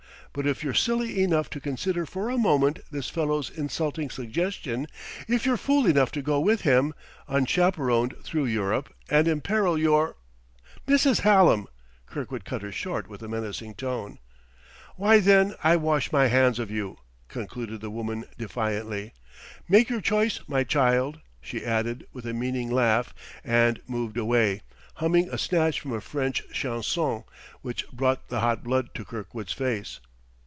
But if you're silly enough to consider for a moment this fellow's insulting suggestion, if you're fool enough to go with him, unchaperoned through Europe and imperil your " "Mrs. Hallam!" Kirkwood cut her short with a menacing tone. "Why, then, I wash my hands of you," concluded the woman defiantly. "Make your choice, my child," she added with a meaning laugh and moved away, humming a snatch from a French chanson which brought the hot blood to Kirkwood's face.